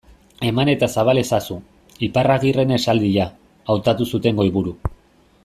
Eman eta zabal ezazu, Iparragirreren esaldia, hautatu zuten goiburu.